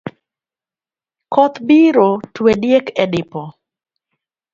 Koth biro twe diek e dipo.